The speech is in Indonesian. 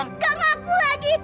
enggak mengaku lagi